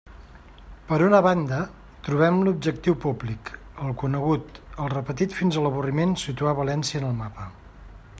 Per una banda, trobem l'objectiu públic, el conegut, el repetit fins a l'avorriment: situar València en el mapa.